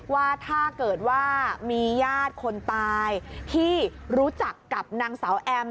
ว่าถ้าเกิดว่ามีญาติคนตายที่รู้จักกับนางสาวแอม